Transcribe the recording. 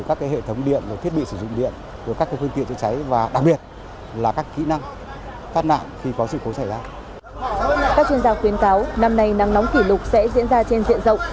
các chuyên gia khuyến cáo năm nay nắng nóng kỷ lục sẽ diễn ra trên diện rộng